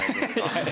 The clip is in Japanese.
はい。